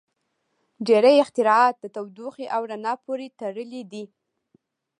• ډېری اختراعات د تودوخې او رڼا پورې تړلي دي.